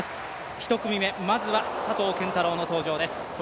１組目、まずは佐藤拳太郎の登場です。